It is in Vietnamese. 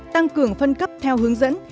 tăng cường phân cấp theo hướng dẫn